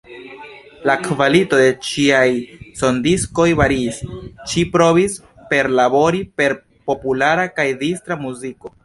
La kvalito de ŝiaj sondiskoj variis; ŝi provis perlabori per populara kaj distra muziko.